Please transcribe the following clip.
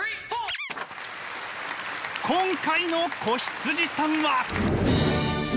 今回の子羊さんは！